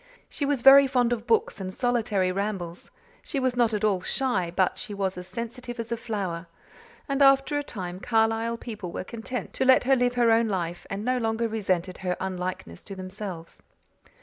She was very fond of books and solitary rambles; she was not at all shy but she was as sensitive as a flower; and after a time Carlisle people were content to let her live her own life and no longer resented her unlikeness to themselves.